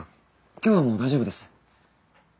今日はもう大丈夫です。